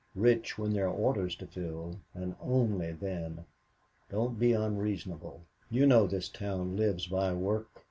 "Rich when there are orders to fill, and only then. Don't be unreasonable. You know this town lives by work."